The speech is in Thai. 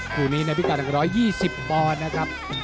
ครูนี้ในวิกัด๑๒๐บอร์นะครับ